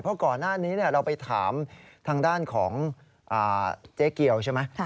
เพราะก่อนหน้านี้เราไปถามทางด้านของเจ๊เกียวใช่ไหม